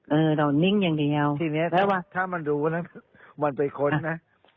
เรานิ่งอย่างเดียวถ้ามันรู้แล้วมันไปค้นนะ